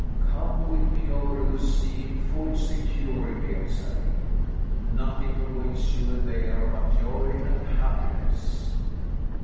Come with me over the sea in full security, Elsalill! Nothing awaits you there but joy and happiness."